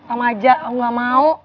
sama aja aku gak mau